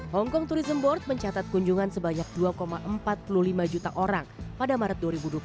hongkong tourism board mencatat kunjungan sebanyak dua empat puluh lima juta orang pada maret dua ribu dua puluh satu